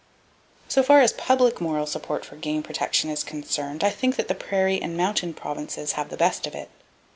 So far as public moral support for game protection is concerned I think that the prairie and mountain provinces have the best of it.